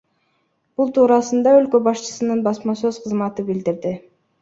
Бул туурасында өлкө башчысынын басма сөз кызматы билдирди.